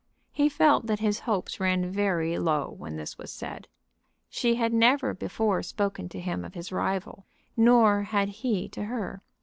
He felt that his hopes ran very low when this was said. She had never before spoken to him of his rival, nor had he to her.